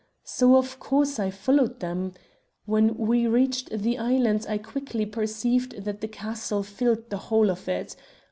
So, of course, I followed them. When we reached the island, I quickly perceived that the castle filled the whole of it.